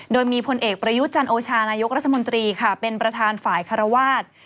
โดยมีพลเอกประยุทธ์จันโอชานายกรัฐมนตรีค่ะเป็นประธานฝ่ายคารวาส